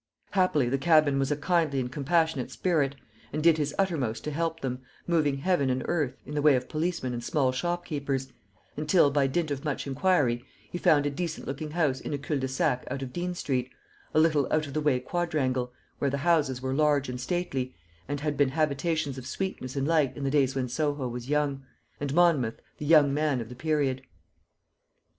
Happily the cabman was a kindly and compassionate spirit, and did his uttermost to help them, moving heaven and earth, in the way of policemen and small shopkeepers, until, by dint of much inquiry, he found a decent looking house in a cul de sac out of Dean street a little out of the way quadrangle, where the houses were large and stately, and had been habitations of sweetness and light in the days when Soho was young, and Monmouth the young man of the period.